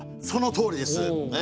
そのとおりです！